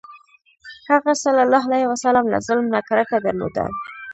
هغه ﷺ له ظلم نه کرکه درلوده.